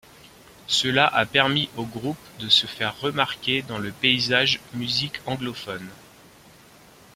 Cela a permis au groupe de se faire remarquer dans le paysage musique anglophone.